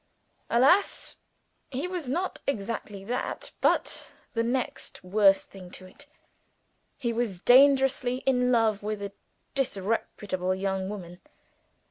Alas! he was not exactly that but the next worst thing to it. He was dangerously in love with a disreputable young woman.